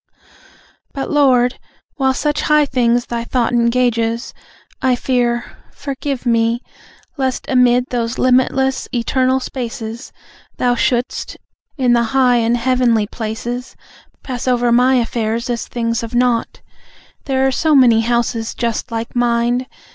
... But, Lord, while such high things Thy thought engages, I fear forgive me lest Amid those limitless eternal spaces Thou shouldest, in the high and heavenly places, Pass over my affairs as things of nought. There are so many houses just like mine.